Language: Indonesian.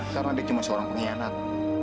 karena dia cuma seorang pengkhianat